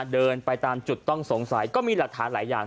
เดินไปตามจุดต้องสงสัยก็มีหลักฐานหลายอย่าง